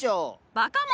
バカ者！